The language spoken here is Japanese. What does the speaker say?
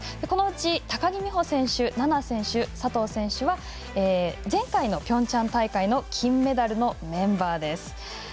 このうち高木美帆選手、菜那選手佐藤選手は前回のピョンチャン大会の金メダルのメンバーです。